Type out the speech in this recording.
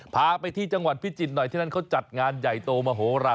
พาไปที่จังหวัดพิจิตรหน่อยที่นั่นเขาจัดงานใหญ่โตมโหลาน